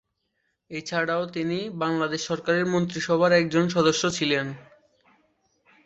এছাড়াও তিনি বাংলাদেশ সরকারের মন্ত্রিসভার একজন সদস্য ছিলেন।